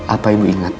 apa ibu ingat